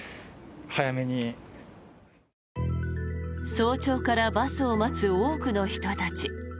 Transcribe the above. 早朝からバスを待つ多くの人たち。